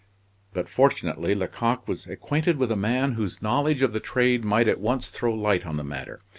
But fortunately Lecoq was acquainted with a man whose knowledge of the trade might at once throw light on the matter.